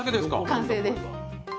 完成です。